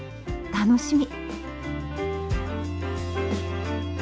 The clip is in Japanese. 楽しみ！